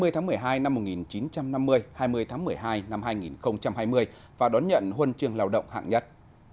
hai mươi tháng một mươi hai năm một nghìn chín trăm năm mươi hai mươi tháng một mươi hai năm hai nghìn hai mươi và đón nhận huân trường lao động hạng nhất